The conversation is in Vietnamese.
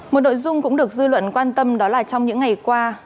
một nội dung cũng được dư luận quan tâm đó là trong những ngày qua